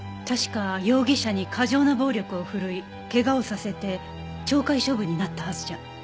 確か容疑者に過剰な暴力を振るい怪我をさせて懲戒処分になったはずじゃ。